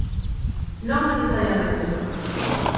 Non necesariamente.